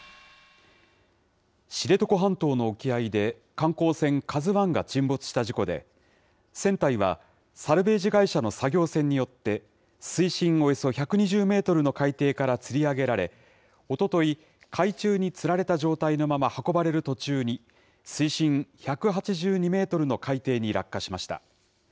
知床半島の沖合で、観光船、ＫＡＺＵＩが沈没した事故で、船体は、サルベージ会社の作業船によって、水深およそ１２０メートルの海底からつり上げられ、おととい、海中につられた状態のまま運ばれる途中に、水深１８２メートルの海底に落下しました。